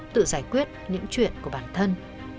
tự giải quyết những chuyện của bản thân